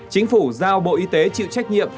chính phủ giao bộ y tế chịu trách nhiệm